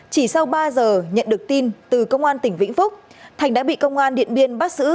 chỉ sau ba giờ nhận được tin từ công an tỉnh vĩnh phúc thành đã bị công an điện biên bắt xử